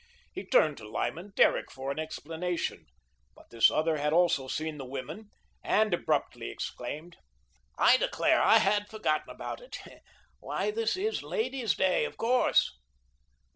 He turned to Lyman Derrick for an explanation, but this other had also seen the women and abruptly exclaimed: "I declare, I had forgotten about it. Why, this is Ladies' Day, of course."